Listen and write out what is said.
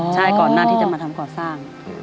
ใช่ก่อนหน้าที่จะมาทำก่อสร้าง